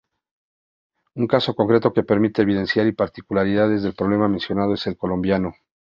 Un caso concreto que permite evidenciar las particularidades del problema mencionado es el colombiano.